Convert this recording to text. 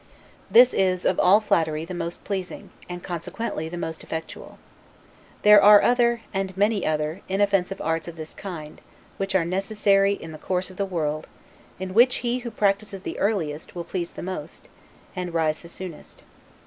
This is, of all flattery, the most pleasing, and consequently the most effectual. There are other, and many other, inoffensive arts of this kind, which are necessary in the course of the world, and which he who practices the earliest, will please the most, and rise the soonest.